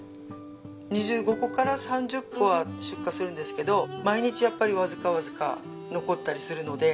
２５個から３０個は出荷するんですけど毎日やっぱりわずかわずか残ったりするので。